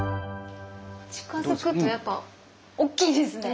近づくとやっぱ大きいですね。